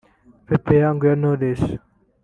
Peke Yangu ya Knowless